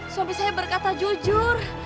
suami saya berkata jujur